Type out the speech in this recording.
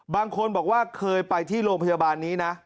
บางคนบอกว่าเคยไปที่โรงพยาบาลนี้นะ